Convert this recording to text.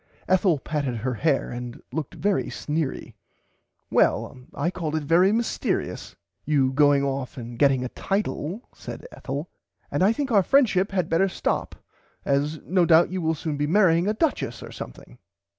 Ethel patted her hair and looked very sneery. Well I call it very mystearious you going off and getting a title said Ethel and I think our friendship had better stop as no doubt you will soon be marrying a duchess or something.